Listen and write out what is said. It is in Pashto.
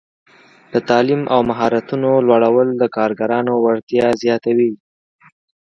د تعلیم او مهارتونو لوړول د کارګرانو وړتیا زیاتوي.